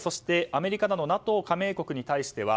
アメリカなどＮＡＴＯ加盟国に対しては